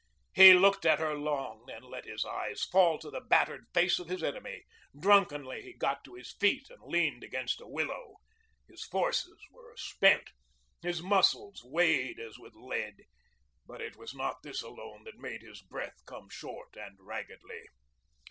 He looked at her long, then let his eyes fall to the battered face of his enemy. Drunkenly he got to his feet and leaned against a willow. His forces were spent, his muscles weighted as with lead. But it was not this alone that made his breath come short and raggedly.